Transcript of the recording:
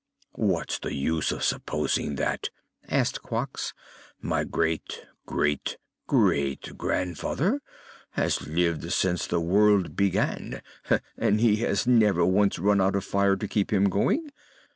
"What's the use of supposing that?" asked Quox. "My great great great grandfather has lived since the world began, and he has never once run out of fire to keep him going.